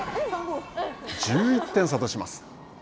１１点差とします。